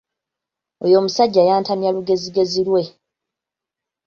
Oyo omusajja yantamya lugezigezi lwe.